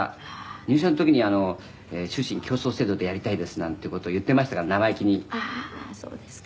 「入社の時に終身競争制度でやりたいですなんていう事を言ってましたから生意気に」「ああーそうですか」